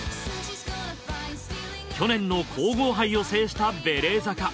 去年の皇后杯を制したベレーザか？